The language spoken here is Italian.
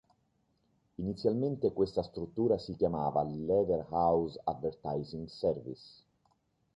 Inizialmente questa struttura si chiamava Lever House Advertising Service.